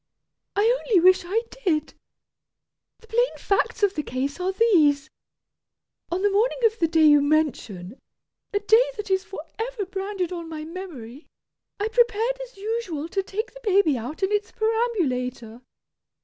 I only wish I did. The plain facts of the case are these. On the morning of the day you mention, a day that is for ever branded on my memory, I prepared as usual to take the baby out in its perambulator.